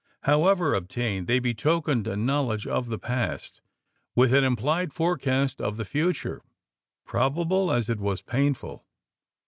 However obtained, they betokened a knowledge of the past, with an implied forecast of the future probable as it was painful.